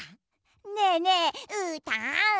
ねえねえうーたん。